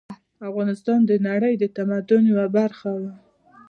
افغانستان د نړۍ د تمدن یوه برخه وه